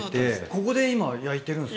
ここで今、焼いてるんですか？